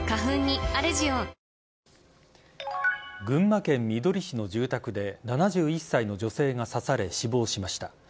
群馬県みどり市の住宅で７１歳の女性が刺され死亡しました。